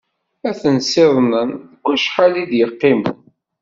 Ad ten-siḍnen deg wacḥal i d-yeqqimen.